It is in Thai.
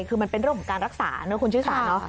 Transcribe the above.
คือมันเป็นเรื่องของการรักษานะคุณชิสาเนอะ